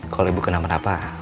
kalau ibu kenapa kenapa